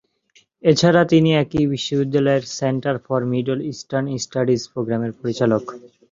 এছাড়া তিনি একই বিশ্ববিদ্যালয়ের centre for middle eastern studies প্রোগ্রামের পরিচালক।